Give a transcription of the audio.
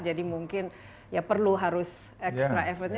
jadi mungkin ya perlu harus extra effortnya